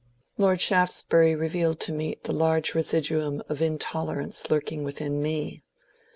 Lord Shaftesbury revealed to me the large residuum of in tolerance lurking within me.